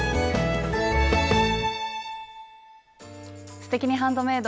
「すてきにハンドメイド」